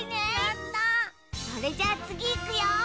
それじゃあつぎいくよ！